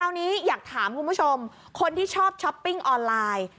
นี้อยากถามคุณผู้ชมคนที่ชอบช้อปปิ้งออนไลน์